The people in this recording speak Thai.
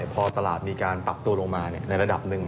พอตลาดมีการปรับตัวลงมาในระดับหนึ่ง